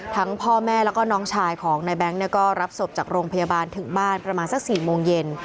พ่อแม่แล้วก็น้องชายของนายแบงค์ก็รับศพจากโรงพยาบาลถึงบ้านประมาณสัก๔โมงเย็น